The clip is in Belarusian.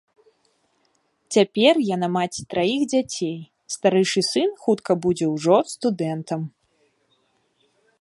Цяпер яна маці траіх дзяцей, старэйшы сын хутка будзе ўжо студэнтам.